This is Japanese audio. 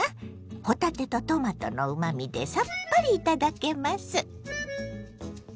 帆立てとトマトのうまみでさっぱり頂けます。